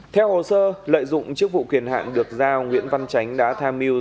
theo hồ sơ lợi dụng chức vụ quyền hạn được giao nguyễn văn chánh đã tham mưu